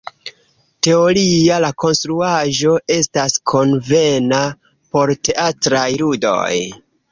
Teoria la konstruaĵo estas konvena por teatraj ludoj.